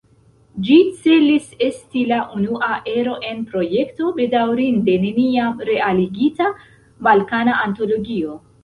Ĝi celis esti la unua ero en projekto, bedaŭrinde, neniam realigita: "Balkana Antologio".